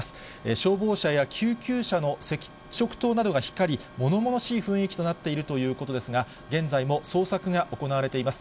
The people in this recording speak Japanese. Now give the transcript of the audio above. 消防車や救急車の赤色灯などが光り、ものものしい雰囲気となっているということですが、現在も捜索が行われています。